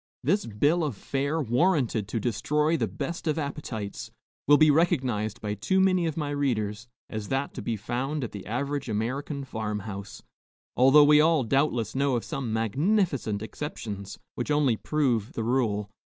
This bill of fare, warranted to destroy the best of appetites, will be recognized by too many of my readers as that to be found at the average American farm house, although we all doubtless know of some magnificent exceptions, which only prove the rule.